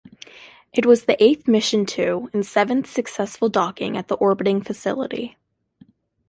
It was the eighth mission to and seventh successful docking at the orbiting facility.